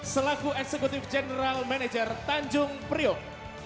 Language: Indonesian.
selaku eksekutif general manager tanjung priok